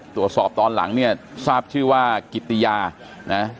ตรวจสอบตอนหลังเนี่ยทราบชื่อว่ากิตติยานะฮะ